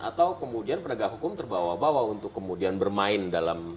atau kemudian penegak hukum terbawa bawa untuk kemudian bermain dalam